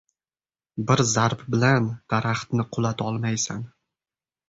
• Bir zarb bilan daraxtni qulatolmaysan.